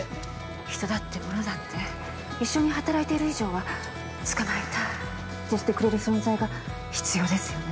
人だって物だって一緒に働いている以上はつかまえた！ってしてくれる存在が必要ですよね？